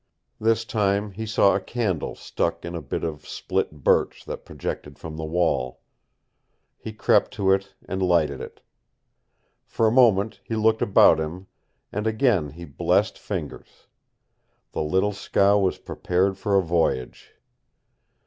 This time he saw a candle stuck in a bit of split birch that projected from the wall. He crept to it and lighted it. For a moment he looked about him, and again he blessed Fingers. The little scow was prepared for a voyage.